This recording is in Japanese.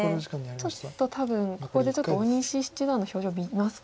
ちょっと多分ここでちょっと大西七段の表情見ますか。